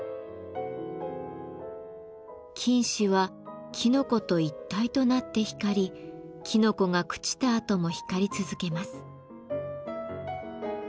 菌糸はきのこと一体となって光りきのこが朽ちたあとも光り続けます。